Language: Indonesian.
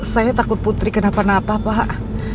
saya takut putri kenapa napa pak